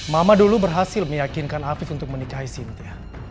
mama dulu berhasil meyakinkan afif untuk menikahi sintea